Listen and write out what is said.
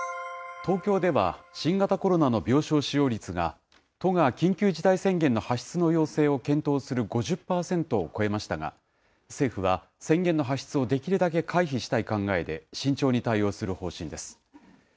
東京では新型コロナの病床使用率が、都が緊急事態宣言の発出の要請を検討する５０％を超えましたが、政府は宣言の発出をできるだけ回避したい考えで、慎重に対応する方針です。